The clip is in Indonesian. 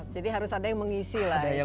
jadi harus ada yang mengisi